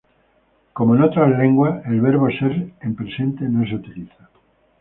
Como en otras lenguas, el verbo "ser" en presente no se utiliza.